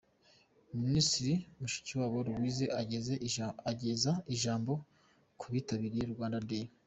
Minisitiri Mushikiwabo Louise ageza ijambo ku bitabiriye Rwanda Day.